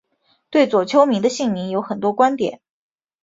对左丘明的姓名有很多观点。